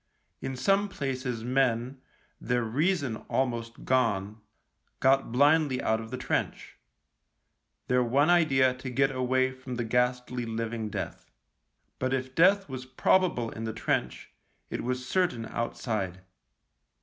In some places men, their reason almost gone, got blindly out of the trench — their one idea to get away from the ghastly living death. But if death was probable in the trench, it was certain outside.